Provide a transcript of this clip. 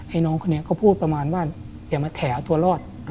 ไอ้น้องคนนี้ก็พูดประมาณว่าอย่ามาแถวตัวรอด